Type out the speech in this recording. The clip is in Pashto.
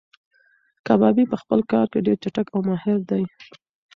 کبابي په خپل کار کې ډېر چټک او ماهیر دی.